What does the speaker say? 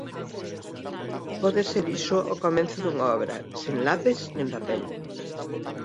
Pode ser iso o comezo dunha obra, sen lapis nin papel.